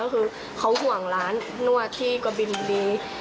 ก็คือเขาห่วงร้านนวดที่กะบินบุรี